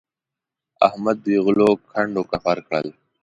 احمد دوی غلو کنډ او کپر کړل.